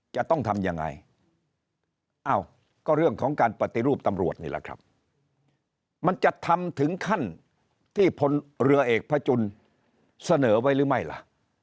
จะต้องทำยังไงอ้าวก็เรื่องของการปฏิรูปตำรวจนี่แหละครับมันจะทำถึงขั้นที่พลเรือเอกพระจุลเสนอไว้หรือไม่ล่ะ